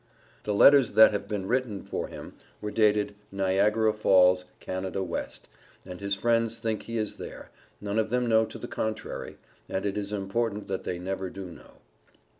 The letters that have been written for him were dated "Niagara Falls, Canada West," and his friends think he is there none of them know to the contrary it is important that they never do know.